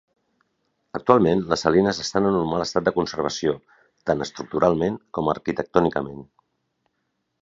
Actualment les salines estan en un mal estat de conservació tant estructuralment com arquitectònicament.